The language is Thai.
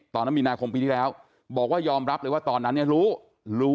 ตอนนั้นมีนาคมปีที่แล้วบอกว่ายอมรับเลยว่าตอนนั้นเนี่ยรู้รู้